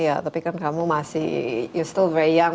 iya tapi kan kamu masih you still very young